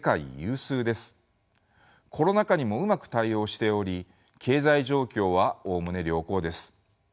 コロナ禍にもうまく対応しており経済状況はおおむね良好です。